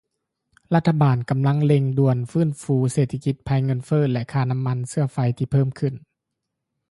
ລັດຖະບານກຳລັງເລັ່ງດ່ວນຟື້ນຟູເສດຖະກິດ ໄພເງິນເຟີ້ ແລະ ລາຄານ້ຳມັນເຊື້ອໄຟທີ່ເພີ່ມຂຶ້ນ